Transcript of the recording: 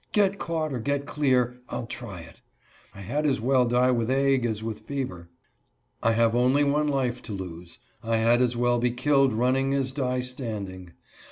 Get caught or get clear, I'll try it. I had as well die with ague as with fever. I have only one life to lose. I had as well be killed running as die standing.